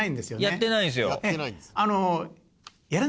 やってないんです。